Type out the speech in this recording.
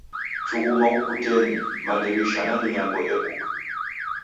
Chughuma ukutenyi, madirisha na minyango ekuka.